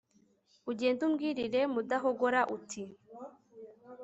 Ugende umbwirire Mudahogora Uti